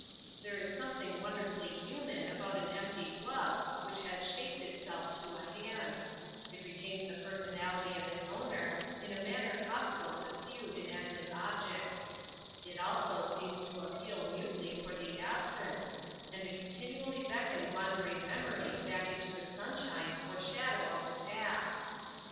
There is something wonderfully human about an empty glove which has shaped itself to a hand; it retains the personality of its owner in a manner possible to few inanimate objects; it also seems to appeal mutely for the absent, and to continually beckon wandering memory back into the sunshine or shadow of the past.